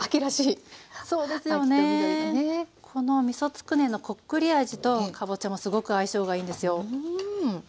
このみそつくねのこっくり味とかぼちゃもすごく相性がいいんですよ。